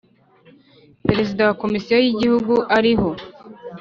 Perezida wa Komisiyo y ‘Igihugu ariho.